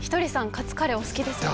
カツカレーお好きですか？